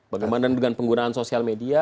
bagaimana dengan penggunaan sosial media